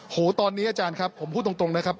ตอนนี้อาจารย์ครับผมพูดตรงนะครับ